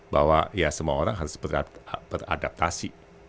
bahwa ya semua orang harus beradaptasi